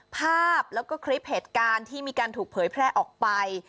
ภาพแล้วก็คลิปเหตุการณ์ที่มีการถูกเผยแพร่ออกไป